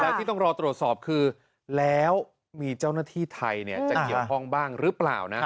แล้วที่ต้องรอตรวจสอบคือแล้วมีเจ้าหน้าที่ไทยจะเกี่ยวข้องบ้างหรือเปล่านะ